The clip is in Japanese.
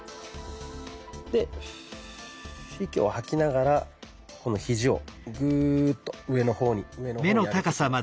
で息を吐きながらこのひじをグーッと上の方に上の方に上げていきます。